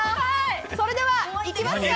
それではいきますよ。